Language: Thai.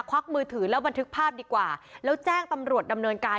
วักมือถือแล้วบันทึกภาพดีกว่าแล้วแจ้งตำรวจดำเนินการ